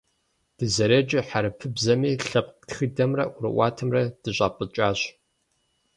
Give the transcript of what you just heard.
Дызэреджэр хьэрыпыбзэми, лъэпкъ тхыдэмрэ ӀуэрыӀуатэмрэ дыщӀапӀыкӀащ.